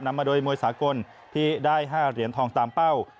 มาโดยมวยสากลที่ได้๕เหรียญทองตามเป้า